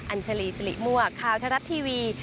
อัญชลีสิริมวกค่าวทะลัดทีวี